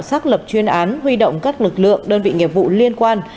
xác lập chuyên án huy động các lực lượng đơn vị nghiệp vụ liên quan